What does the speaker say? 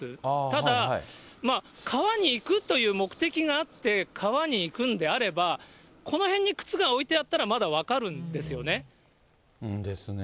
ただ、川に行くという目的があって、川に行くんであれば、この辺に靴が置いてあったらまだ分かるんですよね。ですね。